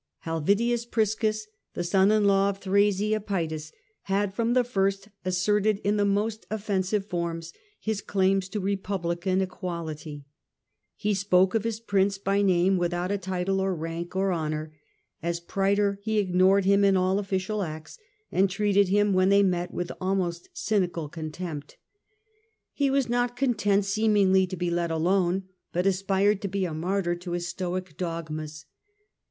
Helvidius Priscus, the son in law of Thrasea Psetus, had from the first asserted in the most offensive forms his claims to republican equality. He spoke of his prince by name without a title of rank or honour ; as praetor he ignored him in all official acts, and treated him when they met with almost cynical contempt He was not Yet was per suaded to put to death Helvidius Priscus, \.D. 69 79. Vespasian, 153 content seemingly to be let alone, but aspired to be a martyr to his Stoic dogmas.